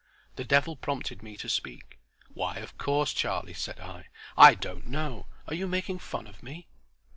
The devil prompted me to speak. "Why, 'of course,' Charlie?" said I. "I don't know. Are you making fun of me?"